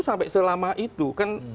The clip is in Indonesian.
sampai selama itu kan